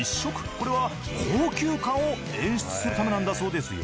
これは高級感を演出するためなんだそうですよ。